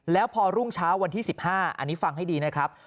แล้วพอรุ่งเช้าวันที่๑๕อันนี้ฟังให้ดีนะครับ